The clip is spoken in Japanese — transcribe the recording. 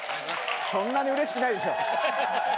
そんなにうれしくないでしょ。